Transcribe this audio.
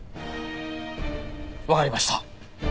わかりました。